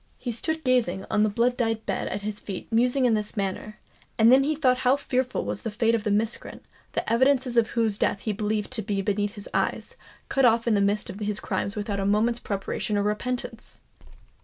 He stood gazing on the blood dyed bed at his feet musing in this manner; and then he thought how fearful was the fate of the miscreant, the evidences of whose death he believed to be beneath his eyes, cut off in the midst of his crimes without a moment's preparation or repentance!